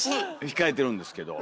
控えてるんですけど。